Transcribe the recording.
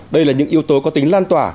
đây là những yếu tố có tính lan tỏa